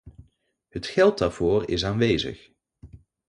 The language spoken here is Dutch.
Het geld daarvoor is aanwezig.